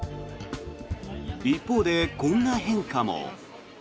一方でこんな変化も。